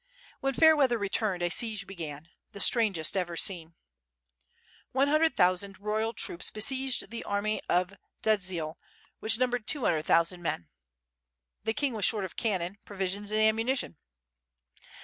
When fair weather returned a siege began: the strangest ever seen. One hundred thousand royal troops besieged the army of Dziedzial which numbered two hundred thousand men. The king was short of cannon, provisions and ammunition.